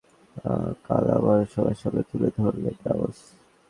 রিয়ালের সেই ডিএনএর পরিচয়টা কাল আবারও সবার সামনে তুলে ধরলেন রামোস।